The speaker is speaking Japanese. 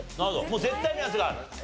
もう絶対のやつがある？